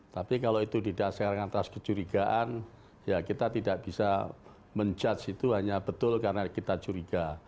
tapi kalau itu didasarkan atas kecurigaan ya kita tidak bisa menjudge itu hanya betul karena kita curiga